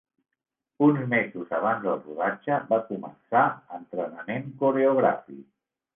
Uns mesos abans del rodatge va començar entrenament coreogràfic.